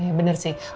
ya bener sih